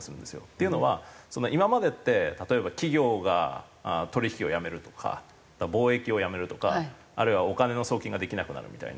っていうのは今までって例えば企業が取引をやめるとか貿易をやめるとかあるいはお金の送金ができなくなるみたいな